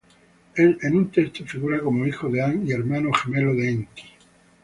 En un texto figura como hijo de An y hermano gemelo de Enki.